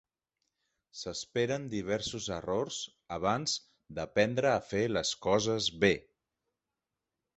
S'esperen diversos errors abans d'aprendre a fer les coses bé.